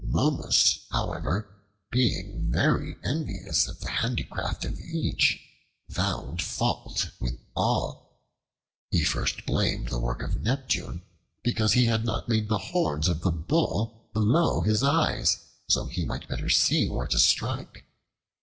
Momus, however, being very envious of the handicraft of each, found fault with all. He first blamed the work of Neptune because he had not made the horns of the bull below his eyes, so he might better see where to strike.